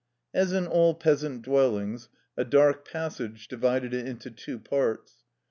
As in all peasant dwellings, a dark passage divided it into two parts.